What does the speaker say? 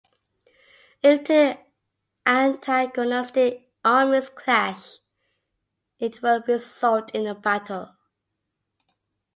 If two antagonistic armies clash, it will result in a battle.